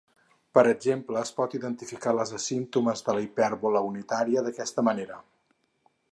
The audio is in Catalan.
Per exemple, un pot identificar les asímptotes de la hipèrbola unitària d'aquesta manera.